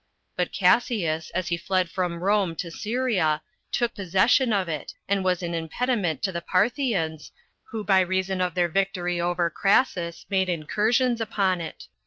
But Cassius, as he fled from Rome to Syria, took possession of it, and was an impediment to the Parthians, who by reason of their victory over Crassus made incursions upon it.